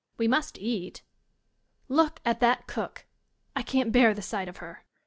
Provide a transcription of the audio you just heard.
We must eat Look at that Cook K^^ . I can't bear the sight of her Student.